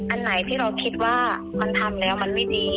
อันไหนที่เราคิดว่ามันทำแล้วมันไม่ดี